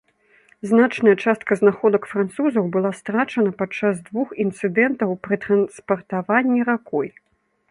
Значная частка знаходак французаў была страчана падчас двух інцыдэнтаў пры транспартаванні ракой.